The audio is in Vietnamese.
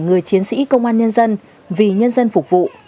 người chiến sĩ công an nhân dân vì nhân dân phục vụ